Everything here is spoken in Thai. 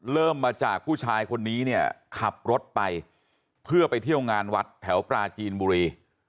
เริ่มมาจากผู้ชายคนนี้เนี่ยขับรถไปเพื่อไปเที่ยวงานวัดแถวปราจีนบุรี